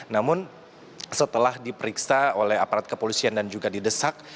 namun setelah diperiksa oleh aparat kepolisian dan juga didesak